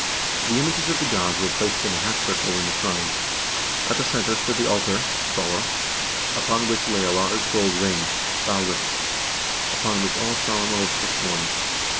The images of the gods were placed in a half circle in the shrine. At the center stood the altar {stallr), upon which lay a large gold ring (baugr), upon which all solemn oaths were sworn.